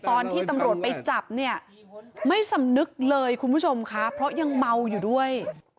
ตอนที่ตำรวจไปจับเนี่ยไม่สำนึกเลยคุณผู้ชมค่ะเพราะยังเมาอยู่ด้วย